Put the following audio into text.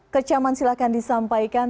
kecaman silahkan disampaikan